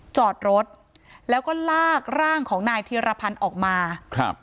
จอดรถแล้วก็ลากร่างของนายธีรพันธ์ออกมาครับ